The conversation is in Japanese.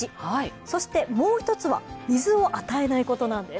そして、もう１つは水を与えないことなんです。